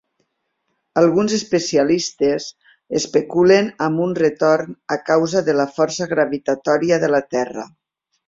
Alguns especialistes especulen amb un retorn a causa de la força gravitatòria de la Terra.